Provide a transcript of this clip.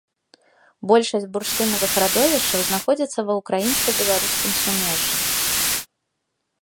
Большасць бурштынавых радовішчаў знаходзіцца ва ўкраінска-беларускім сумежжы.